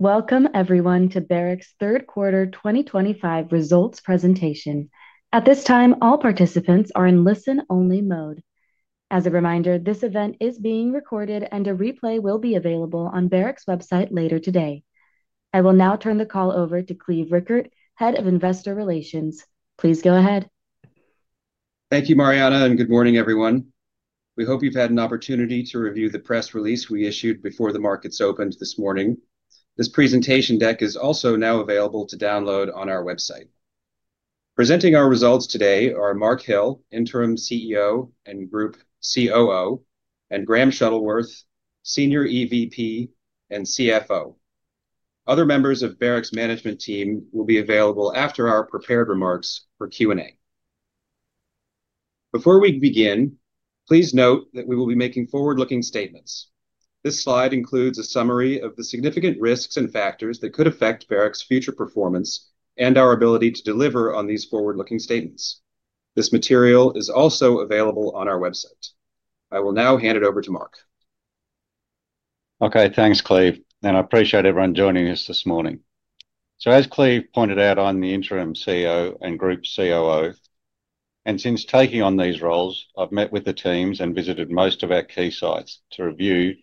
Welcome, everyone, to Barrick's third quarter 2025 results presentation. At this time, all participants are in listen-only mode. As a reminder, this event is being recorded, and a replay will be available on Barrick's website later today. I will now turn the call over to Cleve Rickert, Head of Investor Relations. Please go ahead. Thank you, Mariana, and good morning, everyone. We hope you've had an opportunity to review the press release we issued before the markets opened this morning. This presentation deck is also now available to download on our website. Presenting our results today are Mark Hill, Interim CEO and Group COO, and Graham Shuttleworth, Senior EVP and CFO. Other members of Barrick's management team will be available after our prepared remarks for Q&A. Before we begin, please note that we will be making forward-looking statements. This slide includes a summary of the significant risks and factors that could affect Barrick's future performance and our ability to deliver on these forward-looking statements. This material is also available on our website. I will now hand it over to Mark. Okay, thanks, Cleve, and I appreciate everyone joining us this morning. As Cleve pointed out, I'm the Interim CEO and Group COO, and since taking on these roles, I've met with the teams and visited most of our key sites to review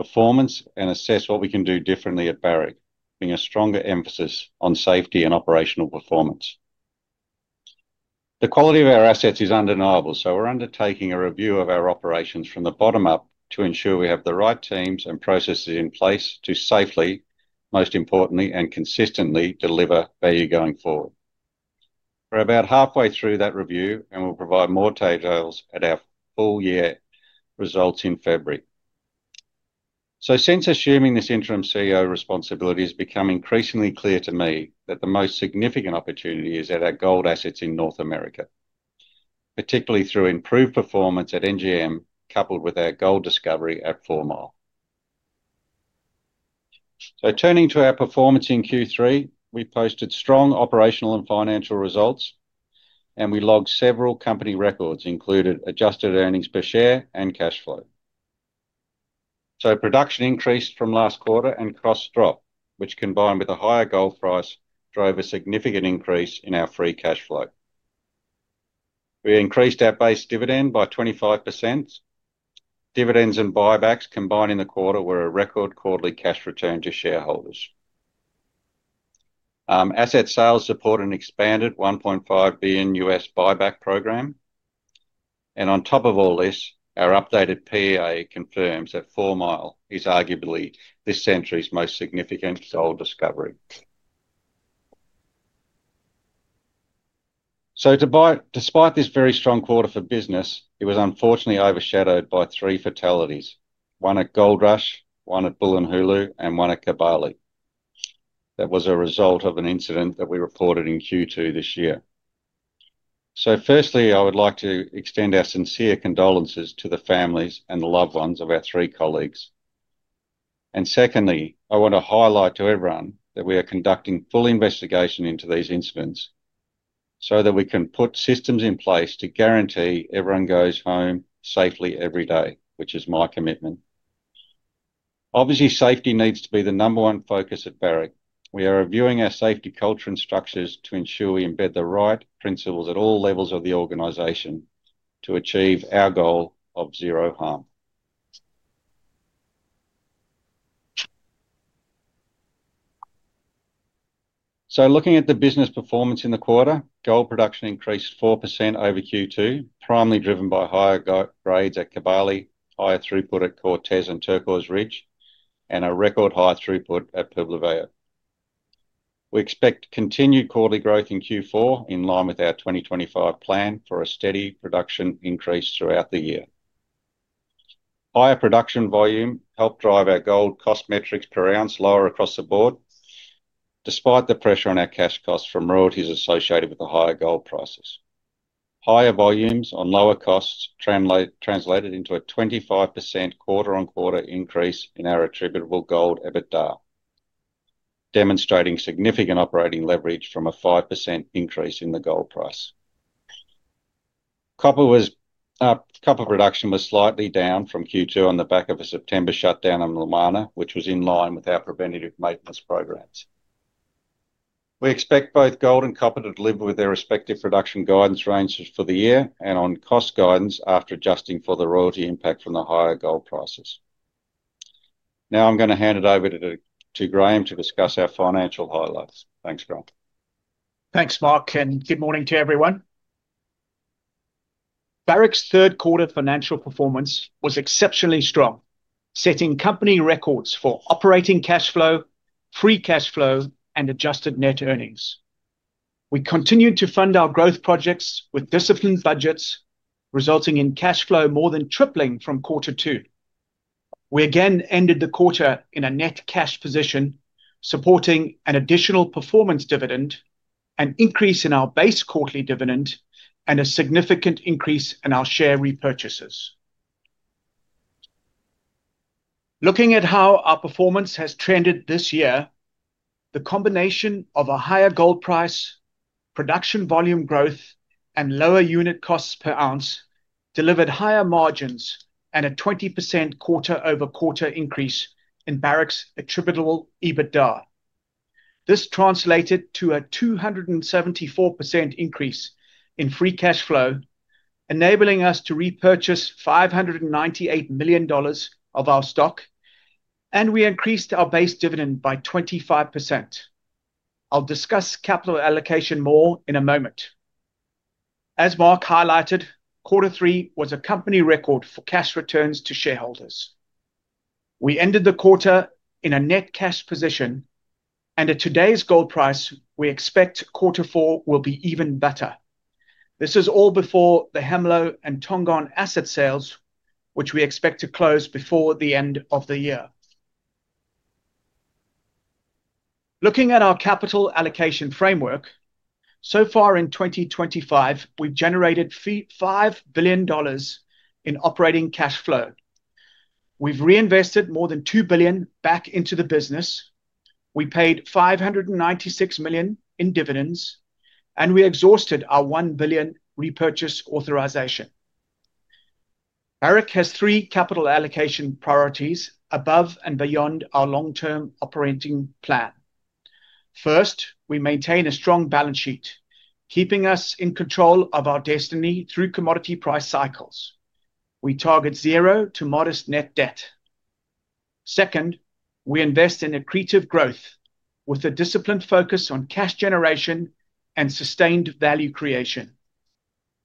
performance and assess what we can do differently at Barrick, putting a stronger emphasis on safety and operational performance. The quality of our assets is undeniable, so we're undertaking a review of our operations from the bottom up to ensure we have the right teams and processes in place to safely, most importantly, and consistently deliver value going forward. We're about halfway through that review, and we'll provide more details at our full-year results in February. Since assuming this Interim CEO responsibility, it has become increasingly clear to me that the most significant opportunity is at our gold assets in North America, particularly through improved performance at NGM, coupled with our gold discovery at Fourmile. Turning to our performance in Q3, we posted strong operational and financial results, and we logged several company records, including adjusted earnings per share and cash flow. Production increased from last quarter and costs dropped, which, combined with a higher gold price, drove a significant increase in our free cash flow. We increased our base dividend by 25%. Dividends and buybacks combined in the quarter were a record quarterly cash return to shareholders. Asset sales support an expanded $1.5 billion buyback program. On top of all this, our updated PA confirms that Fourmile is arguably this century's most significant gold discovery. Despite this very strong quarter for business, it was unfortunately overshadowed by three fatalities: one at Goldrush, one at Bulyanhulu, and one at Kibali. That was a result of an incident that we reported in Q2 this year. Firstly, I would like to extend our sincere condolences to the families and the loved ones of our three colleagues. Secondly, I want to highlight to everyone that we are conducting a full investigation into these incidents so that we can put systems in place to guarantee everyone goes home safely every day, which is my commitment. Obviously, safety needs to be the number one focus at Barrick. We are reviewing our safety culture and structures to ensure we embed the right principles at all levels of the organization to achieve our goal of zero harm. Looking at the business performance in the quarter, gold production increased 4% over Q2, primarily driven by higher grades at Kibali, higher throughput at Cortez and Turquoise Ridge, and a record high throughput at Pueblo Viejo. We expect continued quarterly growth in Q4 in line with our 2025 plan for a steady production increase throughout the year. Higher production volume helped drive our gold cost metrics per ounce lower across the board, despite the pressure on our cash costs from royalties associated with the higher gold prices. Higher volumes on lower costs translated into a 25% quarter-on-quarter increase in our attributable gold EBITDA, demonstrating significant operating leverage from a 5% increase in the gold price. Copper production was slightly down from Q2 on the back of a September shutdown in Lumwana, which was in line with our preventative maintenance programs. We expect both gold and copper to deliver within their respective production guidance ranges for the year and on cost guidance after adjusting for the royalty impact from the higher gold prices. Now I'm going to hand it over to Graham to discuss our financial highlights. Thanks, Graham. Thanks, Mark, and good morning to everyone. Barrick's third quarter financial performance was exceptionally strong, setting company records for operating cash flow, free cash flow, and adjusted net earnings. We continued to fund our growth projects with disciplined budgets, resulting in cash flow more than tripling from Q2. We again ended the quarter in a net cash position, supporting an additional performance dividend, an increase in our base quarterly dividend, and a significant increase in our share repurchases. Looking at how our performance has trended this year, the combination of a higher gold price, production volume growth, and lower unit costs per ounce delivered higher margins and a 20% quarter-over-quarter increase in Barrick's attributable EBITDA. This translated to a 274% increase in free cash flow, enabling us to repurchase $598 million of our stock, and we increased our base dividend by 25%. I'll discuss capital allocation more in a moment. As Mark highlighted, Q3 was a company record for cash returns to shareholders. We ended the quarter in a net cash position, and at today's gold price, we expect Q4 will be even better. This is all before the Hemlo and Tongon asset sales, which we expect to close before the end of the year. Looking at our capital allocation framework, so far in 2025, we've generated $5 billion in operating cash flow. We've reinvested more than $2 billion back into the business. We paid $596 million in dividends, and we exhausted our $1 billion repurchase authorization. Barrick has three capital allocation priorities above and beyond our long-term operating plan. First, we maintain a strong balance sheet, keeping us in control of our destiny through commodity price cycles. We target zero to modest net debt. Second, we invest in accretive growth with a disciplined focus on cash generation and sustained value creation.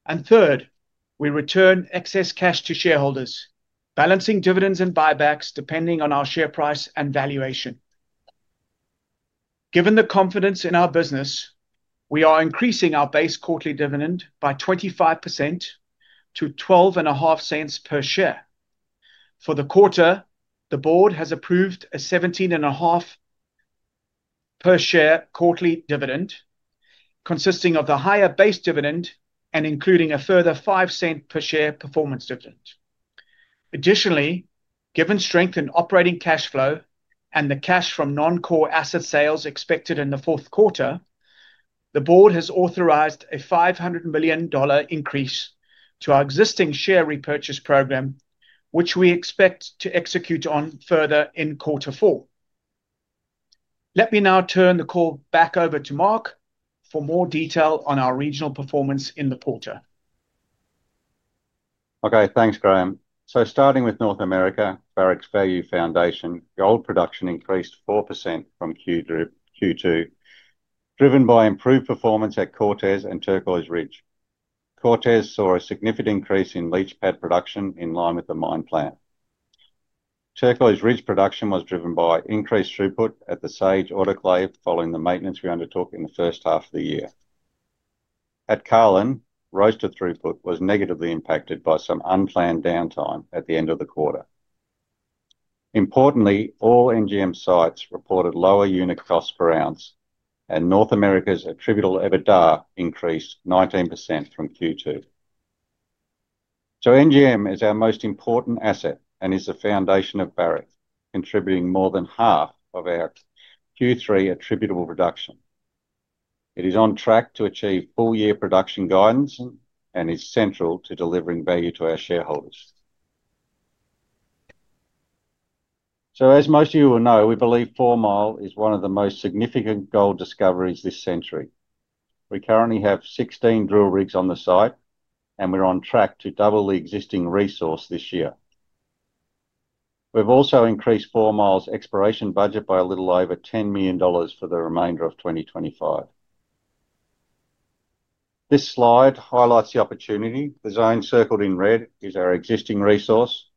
Third, we return excess cash to shareholders, balancing dividends and buybacks depending on our share price and valuation. Given the confidence in our business, we are increasing our base quarterly dividend by 25% to $12.50 per share. For the quarter, the board has approved a $17.50 per share quarterly dividend, consisting of the higher base dividend and including a further $0.05 per share performance dividend. Additionally, given strength in operating cash flow and the cash from non-core asset sales expected in the fourth quarter, the board has authorized a $500 million increase to our existing share repurchase program, which we expect to execute on further in Q4. Let me now turn the call back over to Mark for more detail on our regional performance in the quarter. Okay, thanks, Graham. Starting with North America, Barrick's Value Foundation, gold production increased 4% from Q2, driven by improved performance at Cortez and Turquoise Ridge. Cortez saw a significant increase in leach pad production in line with the mine plan. Turquoise Ridge production was driven by increased throughput at the Sage Autoclave following the maintenance we undertook in the first half of the year. At Carlin, roasted throughput was negatively impacted by some unplanned downtime at the end of the quarter. Importantly, all NGM sites reported lower unit costs per ounce, and North America's attributable EBITDA increased 19% from Q2. NGM is our most important asset and is the foundation of Barrick, contributing more than half of our Q3 attributable production. It is on track to achieve full-year production guidance and is central to delivering value to our shareholders. As most of you will know, we believe Fourmile is one of the most significant gold discoveries this century. We currently have 16 drill rigs on the site, and we're on track to double the existing resource this year. We've also increased Fourmile's exploration budget by a little over $10 million for the remainder of 2025. This slide highlights the opportunity. The zone circled in red is our existing resource.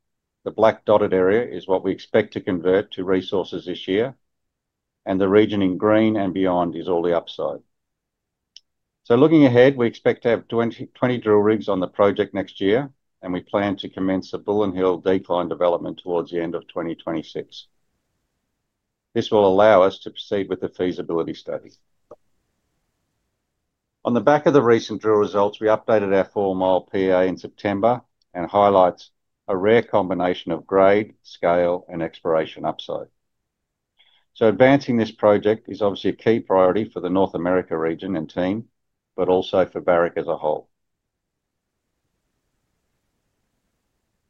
The black dotted area is what we expect to convert to resources this year, and the region in green and beyond is all the upside. Looking ahead, we expect to have 20 drill rigs on the project next year, and we plan to commence a Bull & Hule decline development towards the end of 2026. This will allow us to proceed with the feasibility study. On the back of the recent drill results, we updated our Fourmile PA in September and highlights a rare combination of grade, scale, and exploration upside. Advancing this project is obviously a key priority for the North America region and team, but also for Barrick as a whole.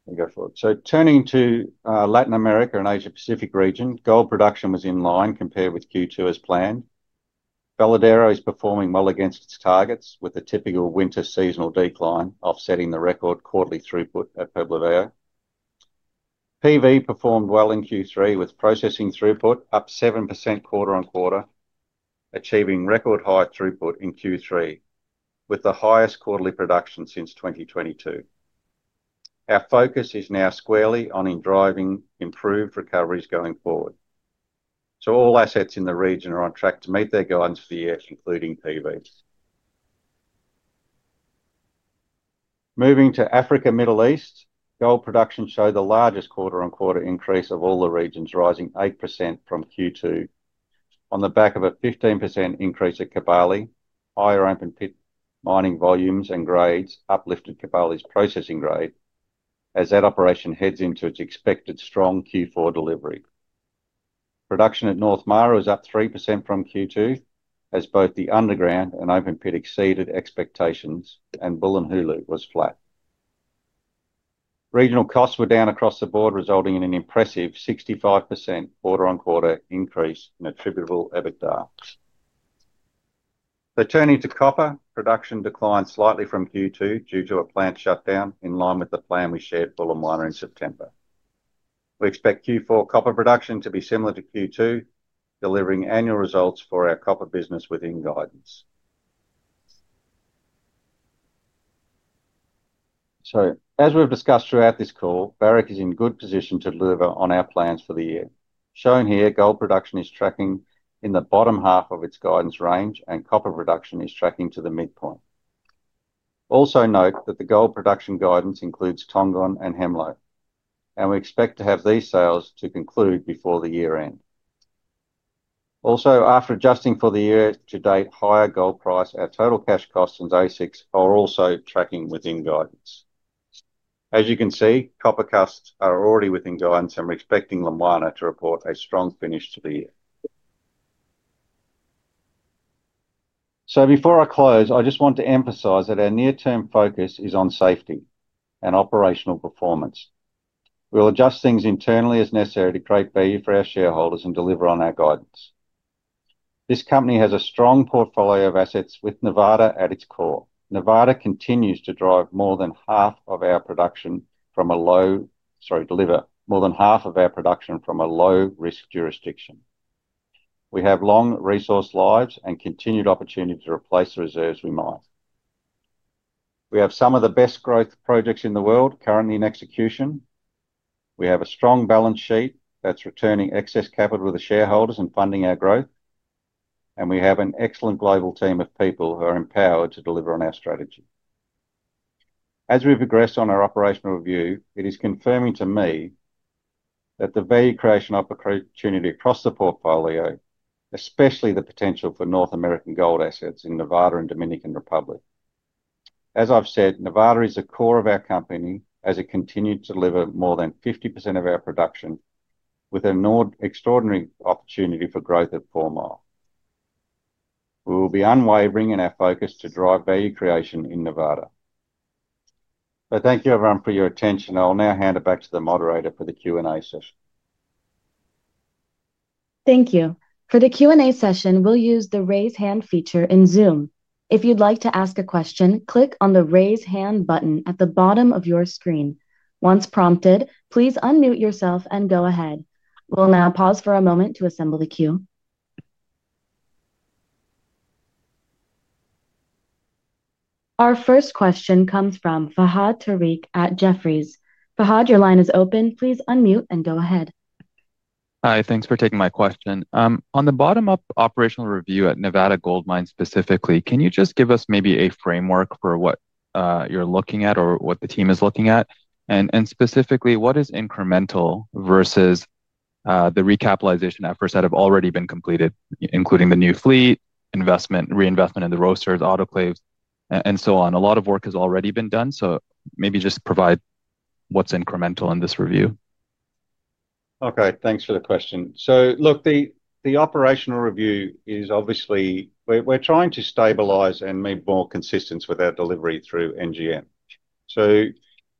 We go forward. Turning to Latin America and Asia-Pacific region, gold production was in line compared with Q2 as planned. Veladero is performing well against its targets with a typical winter seasonal decline, offsetting the record quarterly throughput at Pueblo Viejo. PV performed well in Q3 with processing throughput up 7% quarter-on-quarter, achieving record high throughput in Q3 with the highest quarterly production since 2022. Our focus is now squarely on driving improved recoveries going forward. All assets in the region are on track to meet their guidance for the year, including PV. Moving to Africa and the Middle East, gold production showed the largest quarter-on-quarter increase of all the regions, rising 8% from Q2 on the back of a 15% increase at Kibali. Higher open pit mining volumes and grades uplifted Kibali's processing grade as that operation heads into its expected strong Q4 delivery. Production at North Mara was up 3% from Q2 as both the underground and open pit exceeded expectations, and Bulyanhulu was flat. Regional costs were down across the board, resulting in an impressive 65% quarter-on-quarter increase in attributable EBITDA. Turning to copper, production declined slightly from Q2 due to a plant shutdown in line with the plan we shared with Bulyanhulu and North Mara in September. We expect Q4 copper production to be similar to Q2, delivering annual results for our copper business within guidance. As we've discussed throughout this call, Barrick is in good position to deliver on our plans for the year. Shown here, gold production is tracking in the bottom half of its guidance range, and copper production is tracking to the midpoint. Also note that the gold production guidance includes Tongon and Hemlo, and we expect to have these sales to conclude before the year end. Also, after adjusting for the year to date, higher gold price, our total cash costs in AISC are also tracking within guidance. As you can see, copper costs are already within guidance, and we're expecting Lumwana to report a strong finish to the year. Before I close, I just want to emphasize that our near-term focus is on safety and operational performance. We'll adjust things internally as necessary to create value for our shareholders and deliver on our guidance. This company has a strong portfolio of assets with Nevada at its core. Nevada continues to drive more than half of our production from a low, sorry, deliver more than half of our production from a low-risk jurisdiction. We have long resource lives and continued opportunity to replace the reserves we mine. We have some of the best growth projects in the world currently in execution. We have a strong balance sheet that is returning excess capital to the shareholders and funding our growth, and we have an excellent global team of people who are empowered to deliver on our strategy. As we progress on our operational review, it is confirming to me the value creation opportunity across the portfolio, especially the potential for North American gold assets in Nevada and Dominican Republic. As I've said, Nevada is the core of our company as it continues to deliver more than 50% of our production, with an extraordinary opportunity for growth at Fourmile. We will be unwavering in our focus to drive value creation in Nevada. Thank you everyone for your attention. I'll now hand it back to the moderator for the Q&A session. Thank you. For the Q&A session, we'll use the raise hand feature in Zoom. If you'd like to ask a question, click on the raise hand button at the bottom of your screen. Once prompted, please unmute yourself and go ahead. We'll now pause for a moment to assemble the queue. Our first question comes from Fahad Tariq at Jefferies. Fahad, your line is open. Please unmute and go ahead. Hi, thanks for taking my question. On the bottom-up operational review at Nevada Gold Mines specifically, can you just give us maybe a framework for what you're looking at or what the team is looking at? Specifically, what is incremental versus the recapitalization efforts that have already been completed, including the new fleet, investment, reinvestment in the roasters, autoclaves, and so on? A lot of work has already been done, so maybe just provide what's incremental in this review. Okay, thanks for the question. Look, the operational review is obviously—we're trying to stabilize and make more consistent with our delivery through NGM.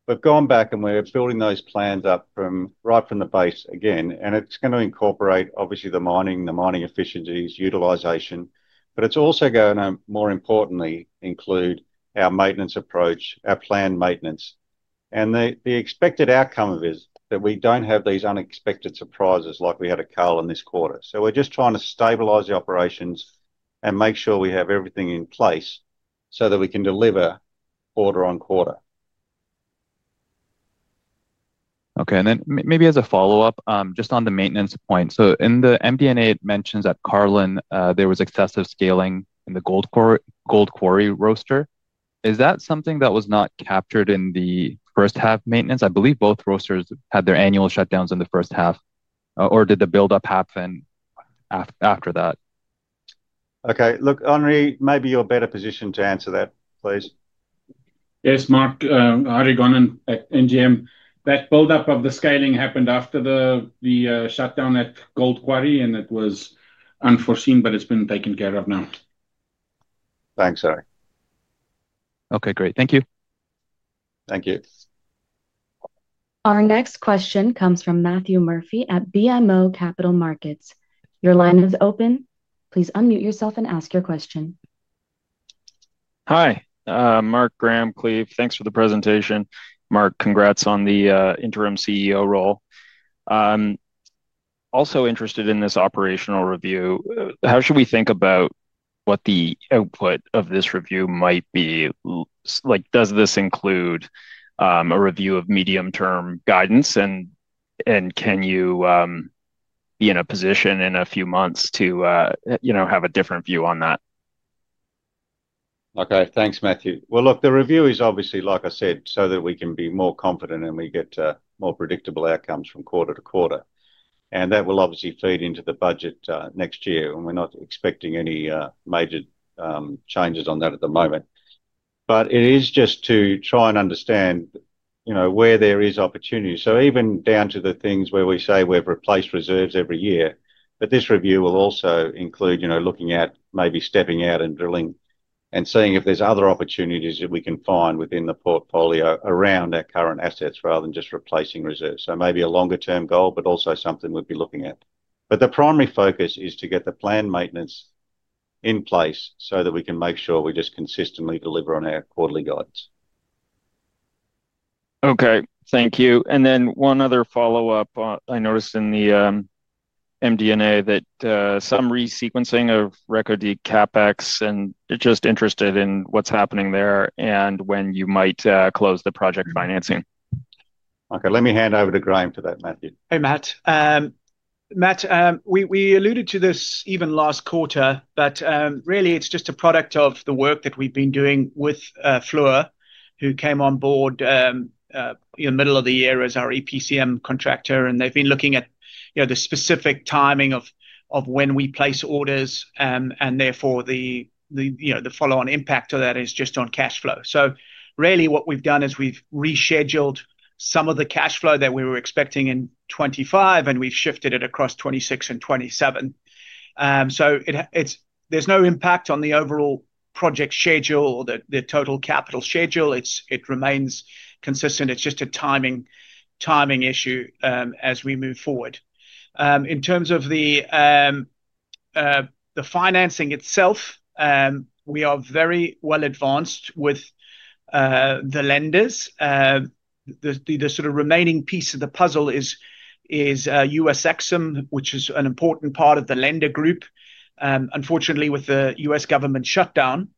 We've gone back and we're building those plans up from right from the base again, and it's going to incorporate, obviously, the mining, the mining efficiencies, utilization, but it's also going to, more importantly, include our maintenance approach, our planned maintenance. The expected outcome of it is that we do not have these unexpected surprises like we had at Carlin this quarter. We're just trying to stabilize the operations and make sure we have everything in place so that we can deliver quarter on quarter. Okay, and then maybe as a follow-up, just on the maintenance point. In the MD&A mentions at Carlin, there was excessive scaling in the Gold Quarry roaster. Is that something that was not captured in the first half maintenance? I believe both roasters had their annual shutdowns in the first half, or did the build-up happen after that? Okay, look, Ari, maybe you're better positioned to answer that, please. Yes, Mark, Ari Gonnan at NGM. That build-up of the scaling happened after the shutdown at Gold Quarry, and it was unforeseen, but it's been taken care of now. Thanks, Ari. Okay, great. Thank you. Thank you. Our next question comes from Matthew Murphy at BMO Capital Markets. Your line is open. Please unmute yourself and ask your question. Hi, Mark, Graham, Cleave. Thanks for the presentation. Mark, congrats on the interim CEO role. Also interested in this operational review. How should we think about what the output of this review might be? Does this include a review of medium-term guidance, and can you be in a position in a few months to have a different view on that? Okay, thanks, Matthew. The review is obviously, like I said, so that we can be more confident and we get more predictable outcomes from quarter to quarter. That will obviously feed into the budget next year, and we're not expecting any major changes on that at the moment. It is just to try and understand where there is opportunity. Even down to the things where we say we've replaced reserves every year, this review will also include looking at maybe stepping out and drilling and seeing if there's other opportunities that we can find within the portfolio around our current assets rather than just replacing reserves. Maybe a longer-term goal, but also something we'll be looking at. The primary focus is to get the planned maintenance in place so that we can make sure we just consistently deliver on our quarterly guidance. Okay, thank you. One other follow-up. I noticed in the MD&A that some resequencing of record CapEx, and just interested in what's happening there and when you might close the project financing. Okay, let me hand over to Graham for that, Matthew. Hey, Matt. Matt, we alluded to this even last quarter, but really it's just a product of the work that we've been doing with Fluor, who came on board in the middle of the year as our EPCM contractor, and they've been looking at the specific timing of when we place orders, and therefore the follow-on impact of that is just on cash flow. Really what we've done is we've rescheduled some of the cash flow that we were expecting in 2025, and we've shifted it across 2026 and 2027. There's no impact on the overall project schedule or the total capital schedule. It remains consistent. It's just a timing issue as we move forward. In terms of the financing itself, we are very well advanced with the lenders. The sort of remaining piece of the puzzle is U.S. Exxon, which is an important part of the lender group. Unfortunately, with the U.S. government shutdown,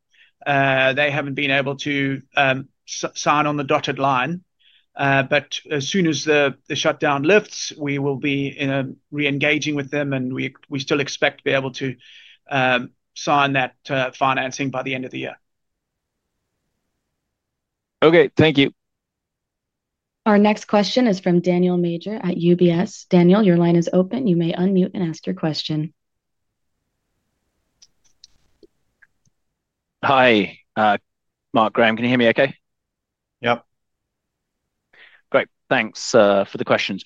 they haven't been able to sign on the dotted line. As soon as the shutdown lifts, we will be re-engaging with them, and we still expect to be able to sign that financing by the end of the year. Okay, thank you. Our next question is from Daniel Major at UBS. Daniel, your line is open. You may unmute and ask your question. Hi, Mark, Graham. Can you hear me okay? Yep. Great. Thanks for the questions.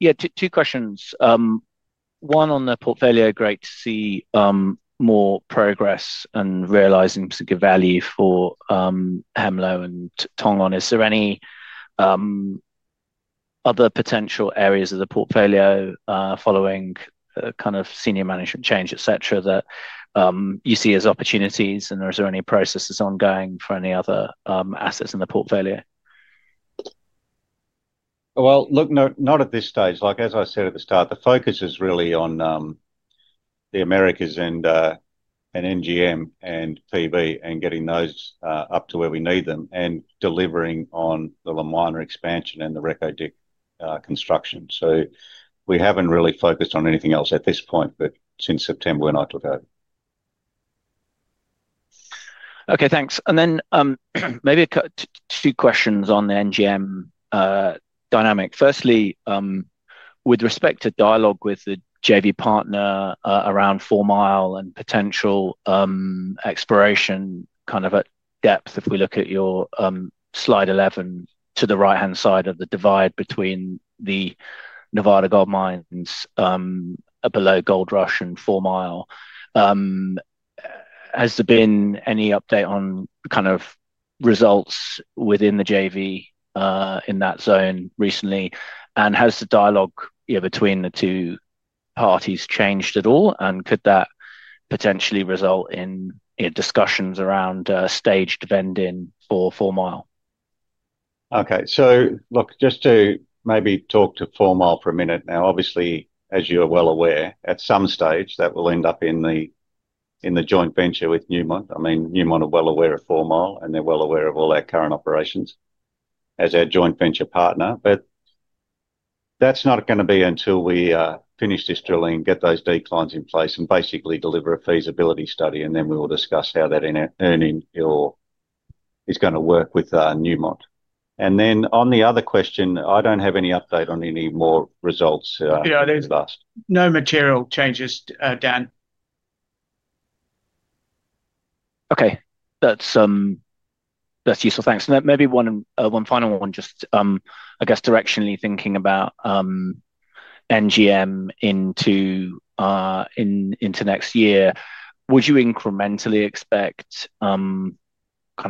Yeah, two questions. One on the portfolio, great to see more progress in realizing particular value for Hemlo and Tongon. Is there any other potential areas of the portfolio following kind of senior management change, etc., that you see as opportunities, and is there any processes ongoing for any other assets in the portfolio? Not at this stage. Like as I said at the start, the focus is really on the Americas and NGM and PV and getting those up to where we need them and delivering on the Lumwana expansion and the Reko Diq construction. We have not really focused on anything else at this point, but since September when I took over. Okay, thanks. Maybe two questions on the NGM dynamic. Firstly, with respect to dialogue with the JV partner around Fourmile and potential exploration kind of at depth, if we look at your slide 11 to the right-hand side of the divide between the Nevada Gold Mines below Goldrush and Fourmile. Has there been any update on kind of results within the JV in that zone recently? Has the dialogue between the two parties changed at all? Could that potentially result in discussions around staged vending for Fourmile? Okay, so look, just to maybe talk to Fourmile for a minute now, obviously, as you're well aware, at some stage that will end up in the joint venture with Newmont. I mean, Newmont are well aware of Fourmile, and they're well aware of all our current operations as our joint venture partner. That's not going to be until we finish this drilling, get those declines in place, and basically deliver a feasibility study, and then we will discuss how that earning is going to work with Newmont. On the other question, I don't have any update on any more results as well. Yeah, there's no material changes, Dan. Okay, that's useful. Thanks. Maybe one final one, just I guess directionally thinking about NGM into next year. Would you incrementally expect kind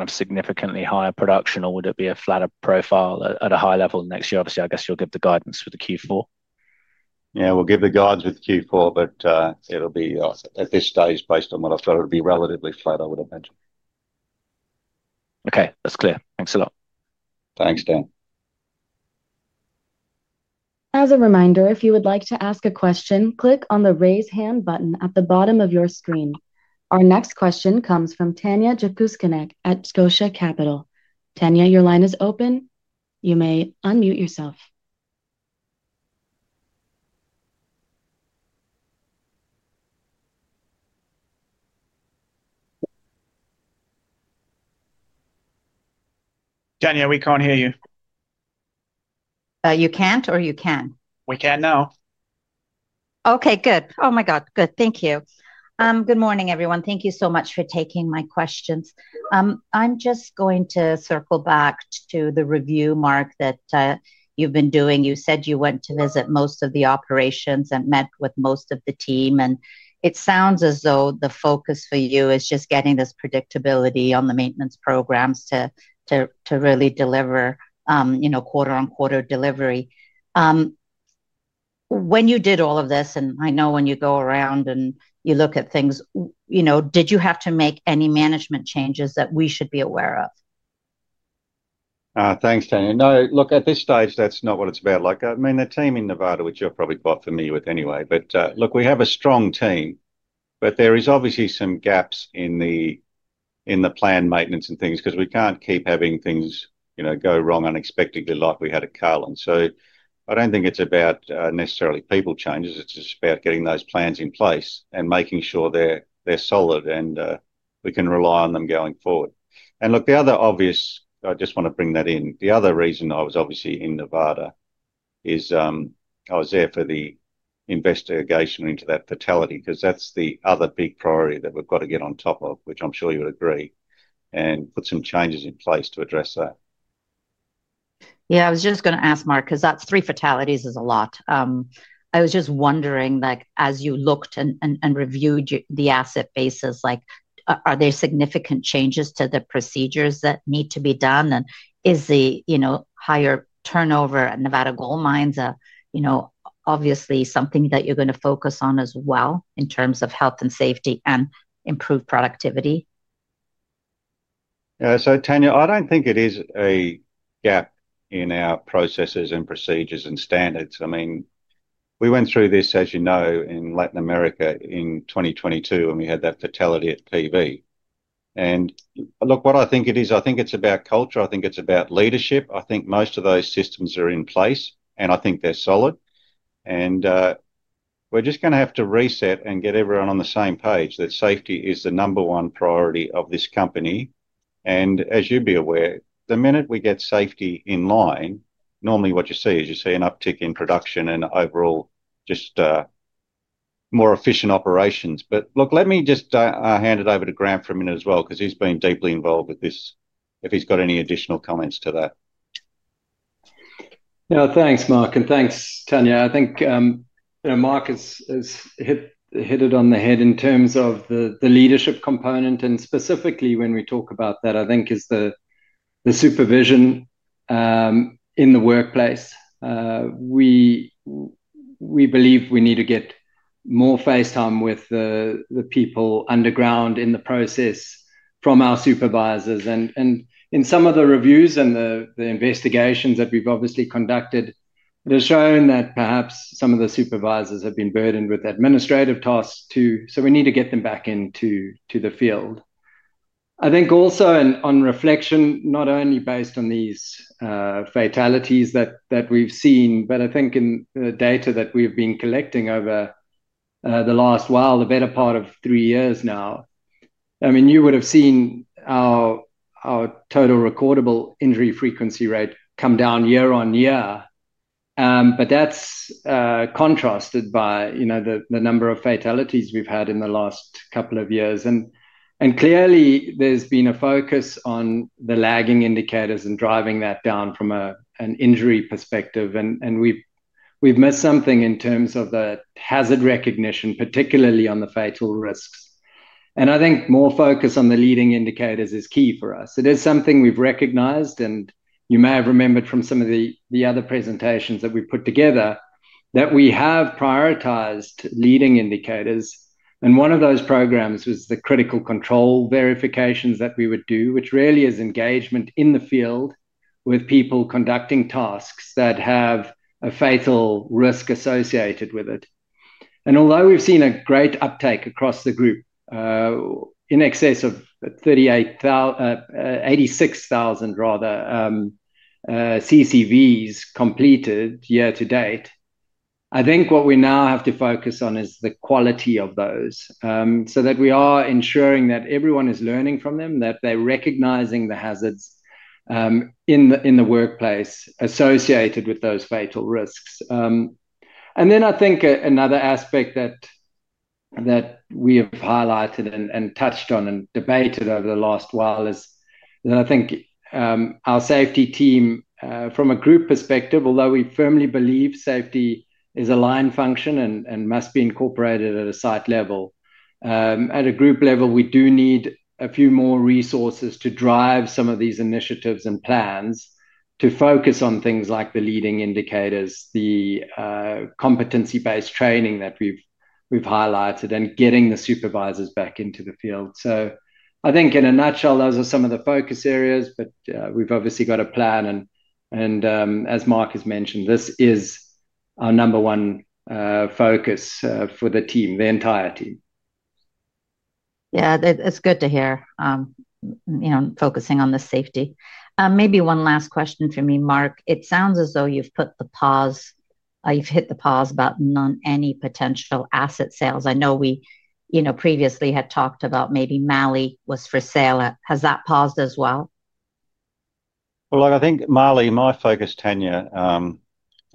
of significantly higher production, or would it be a flatter profile at a high level next year? Obviously, I guess you'll give the guidance for the Q4. Yeah, we'll give the guidance with Q4, but it'll be at this stage, based on what I've got, it'll be relatively flat, I would imagine. Okay, that's clear. Thanks a lot. Thanks, Dan. As a reminder, if you would like to ask a question, click on the raise hand button at the bottom of your screen. Our next question comes from Tanya Jakusconek at Scotia Capital. Tanya, your line is open. You may unmute yourself. Tanya, we can't hear you. You can't, or you can? We can now. Okay, good. Oh my God, good. Thank you. Good morning, everyone. Thank you so much for taking my questions. I'm just going to circle back to the review, Mark, that you've been doing. You said you went to visit most of the operations and met with most of the team, and it sounds as though the focus for you is just getting this predictability on the maintenance programs to really deliver quarter-on-quarter delivery. When you did all of this, and I know when you go around and you look at things, did you have to make any management changes that we should be aware of? Thanks, Tanya. No, look, at this stage, that's not what it's about. I mean, the team in Nevada, which you're probably quite familiar with anyway, but look, we have a strong team, but there are obviously some gaps in the planned maintenance and things because we can't keep having things go wrong unexpectedly like we had at Carlin. I don't think it's about necessarily people changes. It's just about getting those plans in place and making sure they're solid and we can rely on them going forward. The other obvious—I just want to bring that in. The other reason I was obviously in Nevada is I was there for the investigation into that fatality because that's the other big priority that we've got to get on top of, which I'm sure you would agree, and put some changes in place to address that. Yeah, I was just going to ask, Mark, because three fatalities is a lot. I was just wondering, as you looked and reviewed the asset bases, are there significant changes to the procedures that need to be done? Is the higher turnover at Nevada Gold Mines obviously something that you're going to focus on as well in terms of health and safety and improved productivity? Tanya, I do not think it is a gap in our processes and procedures and standards. I mean, we went through this, as you know, in Latin America in 2022 when we had that fatality at PV. Look, what I think it is, I think it is about culture. I think it is about leadership. I think most of those systems are in place, and I think they are solid. We are just going to have to reset and get everyone on the same page that safety is the number one priority of this company. As you would be aware, the minute we get safety in line, normally what you see is you see an uptick in production and overall just more efficient operations. Look, let me just hand it over to Graham for a minute as well because he's been deeply involved with this if he's got any additional comments to that. Yeah, thanks, Mark, and thanks, Tanya. I think Mark has hit it on the head in terms of the leadership component, and specifically when we talk about that, I think is the supervision in the workplace. We believe we need to get more face time with the people underground in the process from our supervisors. In some of the reviews and the investigations that we've obviously conducted, it has shown that perhaps some of the supervisors have been burdened with administrative tasks too, so we need to get them back into the field. I think also on reflection, not only based on these fatalities that we've seen, but I think in the data that we've been collecting over the last, well, the better part of three years now, I mean, you would have seen our total recordable injury frequency rate come down year on year, but that's contrasted by the number of fatalities we've had in the last couple of years. Clearly, there's been a focus on the lagging indicators and driving that down from an injury perspective, and we've missed something in terms of the hazard recognition, particularly on the fatal risks. I think more focus on the leading indicators is key for us. It is something we've recognized, and you may have remembered from some of the other presentations that we put together that we have prioritized leading indicators. One of those programs was the critical control verifications that we would do, which really is engagement in the field with people conducting tasks that have a fatal risk associated with it. Although we've seen a great uptake across the group, in excess of 86,000 CCVs completed year-to-date, I think what we now have to focus on is the quality of those so that we are ensuring that everyone is learning from them, that they're recognizing the hazards in the workplace associated with those fatal risks. I think another aspect that we have highlighted and touched on and debated over the last while is that I think our safety team, from a group perspective, although we firmly believe safety is a line function and must be incorporated at a site level, at a group level, we do need a few more resources to drive some of these initiatives and plans to focus on things like the leading indicators, the competency-based training that we've highlighted, and getting the supervisors back into the field. I think in a nutshell, those are some of the focus areas, but we've obviously got a plan. As Mark has mentioned, this is our number one focus for the team, the entire team. Yeah, it's good to hear focusing on the safety. Maybe one last question for me, Mark. It sounds as though you've hit the pause button on any potential asset sales. I know we previously had talked about maybe Mali was for sale. Has that paused as well? I think Mali, my focus, Tanya,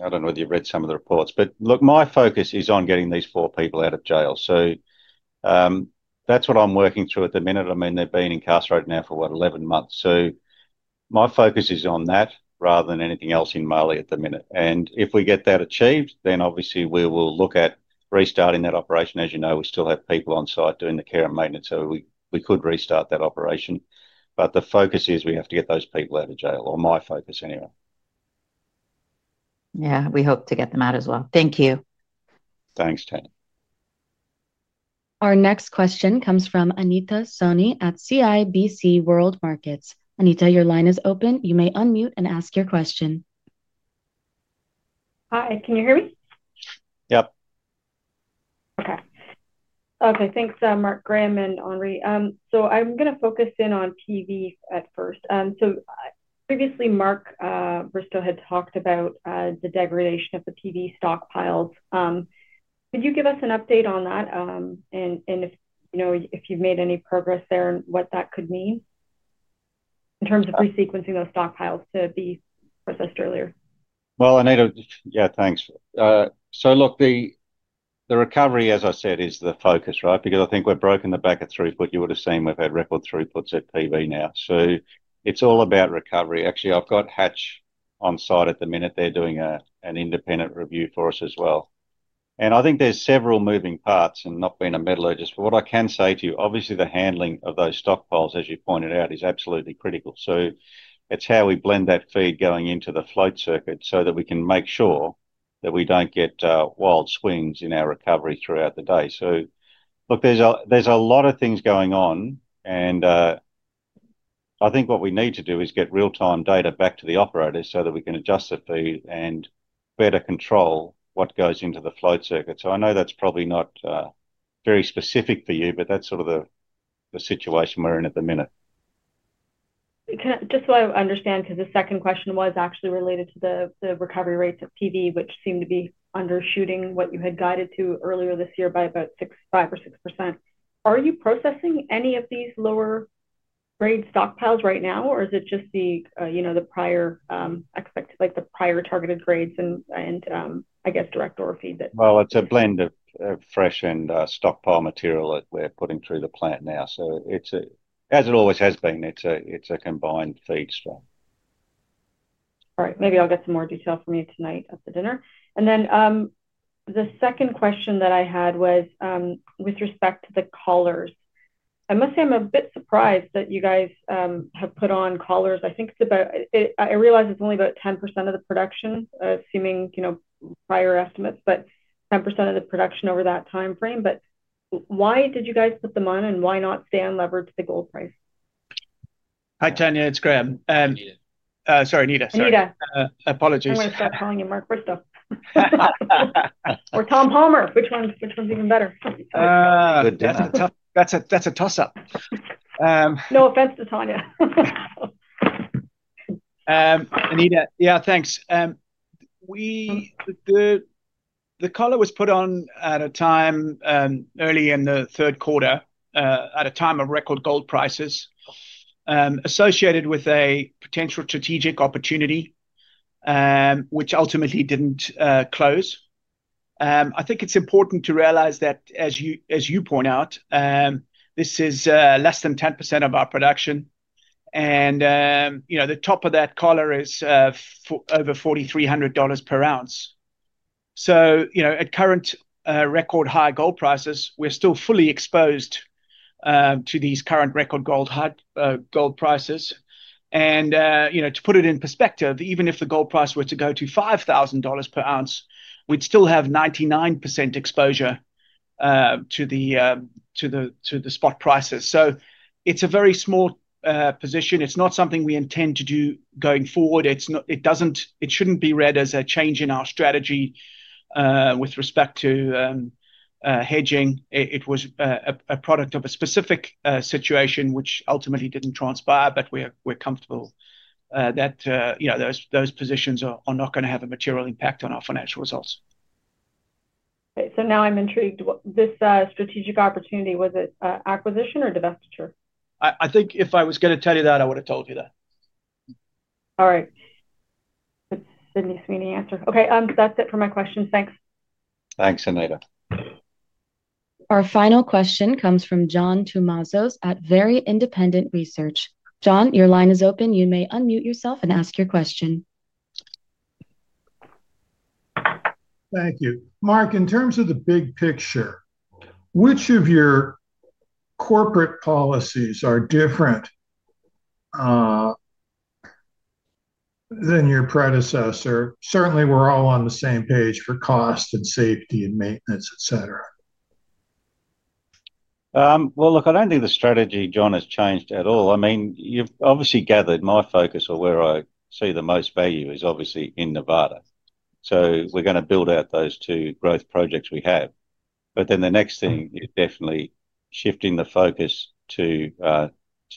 I do not know whether you have read some of the reports, but my focus is on getting these four people out of jail. That is what I am working through at the minute. I mean, they have been incarcerated now for, what, 11 months. My focus is on that rather than anything else in Mali at the minute. If we get that achieved, then obviously we will look at restarting that operation. As you know, we still have people on site doing the care and maintenance, so we could restart that operation. The focus is we have to get those people out of jail, or my focus anyway. Yeah, we hope to get them out as well. Thank you. Thanks, Tanya. Our next question comes from Anita Soni at CIBC World Markets. Anita, your line is open. You may unmute and ask your question. Hi, can you hear me? Yep. Okay. Okay, thanks, Mark, Graham, and Henri. I'm going to focus in on PV at first. Previously, Mark Bristow had talked about the degradation of the PV stockpiles. Could you give us an update on that and if you've made any progress there and what that could mean in terms of re-sequencing those stockpiles to be processed earlier? Anita, yeah, thanks. Look, the recovery, as I said, is the focus, right? I think we've broken the back of throughput. You would have seen we've had record throughputs at PV now. It's all about recovery. Actually, I've got Hatch on site at the minute. They're doing an independent review for us as well. I think there's several moving parts and not being a metallurgist. What I can say to you, obviously the handling of those stockpiles, as you pointed out, is absolutely critical. It's how we blend that feed going into the float circuit so that we can make sure that we don't get wild swings in our recovery throughout the day. Look, there's a lot of things going on, and I think what we need to do is get real-time data back to the operators so that we can adjust the feed and better control what goes into the float circuit. I know that's probably not very specific for you, but that's sort of the situation we're in at the minute. Just so I understand, because the second question was actually related to the recovery rates at PV, which seemed to be undershooting what you had guided to earlier this year by about 5%-6%. Are you processing any of these lower-grade stockpiles right now, or is it just the prior targeted grades and, I guess, direct ore feed that? It's a blend of fresh and stockpile material that we're putting through the plant now. As it always has been, it's a combined feed straw. All right. Maybe I'll get some more detail from you tonight at the dinner. The second question that I had was with respect to the collars. I must say I'm a bit surprised that you guys have put on collars. I think it's about—I realize it's only about 10% of the production, assuming prior estimates, but 10% of the production over that time frame. Why did you guys put them on, and why not stay on leverage the gold price? Hi, Tanya. It's Graham. Sorry, Anita. Anita. Apologies. I'm going to stop calling you Mark Bristow. Or Tom Palmer. Which one's even better? That's a toss-up. No offense to Tanya. Anita, yeah, thanks. The collar was put on at a time early in the third quarter, at a time of record gold prices, associated with a potential strategic opportunity, which ultimately did not close. I think it is important to realize that, as you point out, this is less than 10% of our production, and the top of that collar is over $4,300 per ounce. At current record high gold prices, we are still fully exposed to these current record gold prices. To put it in perspective, even if the gold price were to go to $5,000 per ounce, we would still have 99% exposure to the spot prices. It is a very small position. It is not something we intend to do going forward. It should not be read as a change in our strategy with respect to hedging. It was a product of a specific situation, which ultimately didn't transpire, but we're comfortable that those positions are not going to have a material impact on our financial results. Okay. So now I'm intrigued. This strategic opportunity, was it acquisition or divestiture? I think if I was going to tell you that, I would have told you that. All right. It's Sidney Sweeney answer. Okay. That's it for my questions. Thanks. Thanks, Anita. Our final question comes from John Tumazos at Very Independent Research. John, your line is open. You may unmute yourself and ask your question. Thank you. Mark, in terms of the big picture, which of your corporate policies are different than your predecessor? Certainly, we're all on the same page for cost and safety and maintenance, etc. I don't think the strategy, John, has changed at all. I mean, you've obviously gathered my focus or where I see the most value is obviously in Nevada. We are going to build out those two growth projects we have. The next thing is definitely shifting the focus to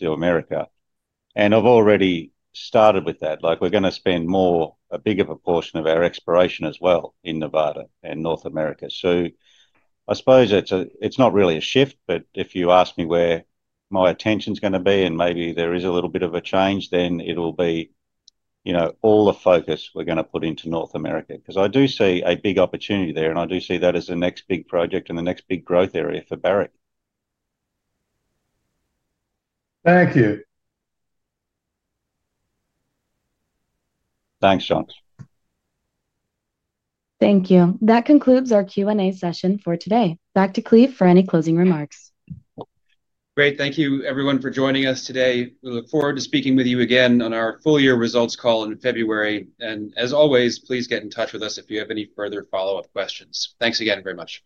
America. I've already started with that. We are going to spend a bigger proportion of our exploration as well in Nevada and North America. I suppose it's not really a shift, but if you ask me where my attention's going to be, and maybe there is a little bit of a change, then it'll be all the focus we are going to put into North America because I do see a big opportunity there, and I do see that as the next big project and the next big growth area for Barrick. Thank you. Thanks, John. Thank you. That concludes our Q&A session for today. Back to Cleve for any closing remarks. Great. Thank you, everyone, for joining us today. We look forward to speaking with you again on our full-year results call in February. As always, please get in touch with us if you have any further follow-up questions. Thanks again very much.